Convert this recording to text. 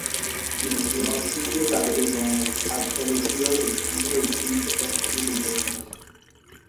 Il fut institué par Évandre après l'épisode qui mit aux prises Hercule et Cacus.